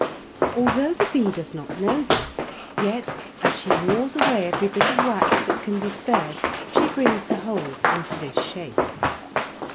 Although the bee does not know this, yet as gnaws away every bit of wax that can be spared she brings the holes into this shape.